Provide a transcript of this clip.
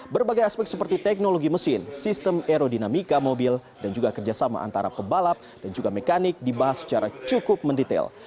berbagai aspek seperti teknologi mesin sistem aerodinamika mobil dan juga kerjasama antara pebalap dan juga mekanik dibahas secara cukup mendetail